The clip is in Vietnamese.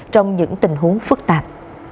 trong những tình huống phức tạp